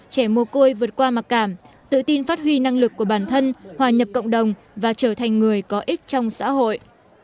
trẻ mồ côi vượt qua mặc cảm tự tin phát huy năng lực của bản thân hòa nhập cộng đồng và trở thành người có ích trong xã hội